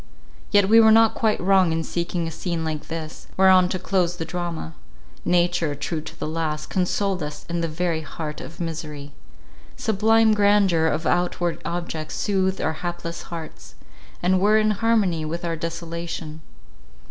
Yet we were not quite wrong in seeking a scene like this, whereon to close the drama. Nature, true to the last, consoled us in the very heart of misery. Sublime grandeur of outward objects soothed our hapless hearts, and were in harmony with our desolation.